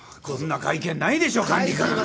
こんな会見ないでしょ管理官。